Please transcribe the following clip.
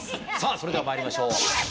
それでは参りましょう。